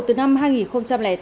từ năm hai nghìn tám